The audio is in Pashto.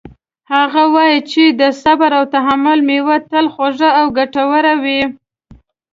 هغه وایي چې د صبر او تحمل میوه تل خوږه او ګټوره وي